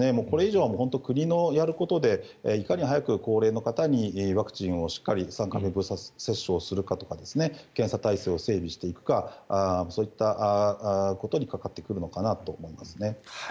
これ以上は国のやることでいかに早く高齢の方にワクチンをしっかり３回目の接種をするかとか検査体制を整備していくかそういったことにかかってくるのかなと思います。